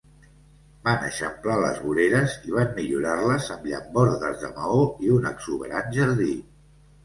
Van eixamplar les voreres i van millorar-les amb llambordes de maó i un exuberant jardí.